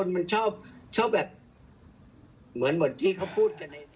มีคนชอบเหมือนที่พูดได้